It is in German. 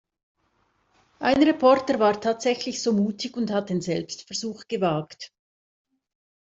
Ein Reporter war tatsächlich so mutig und hat den Selbstversuch gewagt.